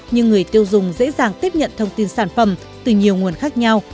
nhưng người tiêu dùng dễ dàng tiếp nhận thông tin sản phẩm từ nhiều nguồn khác nhau